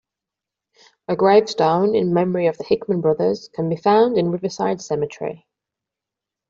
A gravestone in memory of the Hickman brothers can be found in Riverside Cemetery.